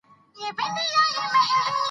تاسو باید مېوې په خپل ورځني خوراک کې شاملې کړئ.